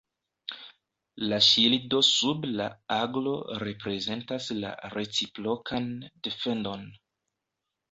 La ŝildo sub la aglo reprezentas la reciprokan defendon.